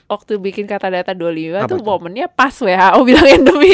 waktu bikin kata data dua puluh lima tuh momennya pas who bilang